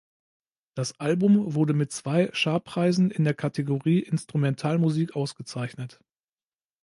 Das Album wurde mit zwei Sharp-Preisen in der Kategorie Instrumentalmusik ausgezeichnet.